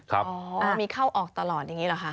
ครับอ๋อมีเข้าออกตลอดอย่างนี้หรอคะ